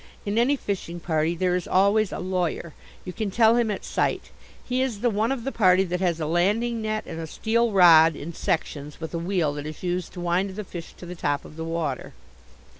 In any fishing party there is always a lawyer. You can tell him at sight. He is the one of the party that has a landing net and a steel rod in sections with a wheel that is used to wind the fish to the top of the water.